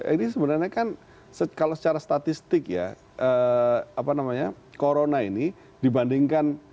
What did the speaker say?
ini sebenarnya kan kalau secara statistik ya apa namanya corona ini dibandingkan